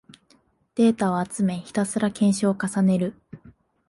データを集め、ひたすら検証を重ねる